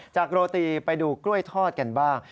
โรตีไปดูกล้วยทอดกันบ้าง